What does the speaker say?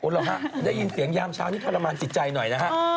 แล้วฮะได้ยินเสียงยามเช้านี้ทรมานจิตใจหน่อยนะฮะ